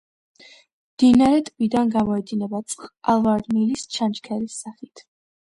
მდინარე ტბიდან გამოედინება წყალვარდნილის, ჩანჩქერის სახით.